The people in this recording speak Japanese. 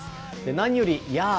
何より、ヤー！